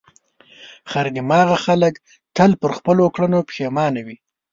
خر دماغه خلک تل پر خپلو کړنو پښېمانه وي.